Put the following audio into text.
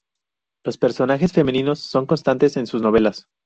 Los personajes femeninos son constantes en sus novelas.